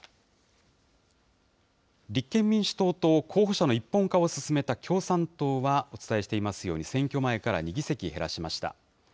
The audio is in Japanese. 立憲民主党と候補者の一本化を進めた共産党は、お伝えしていますように選挙前から２議席減らしました。